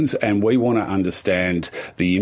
dan kita ingin memahami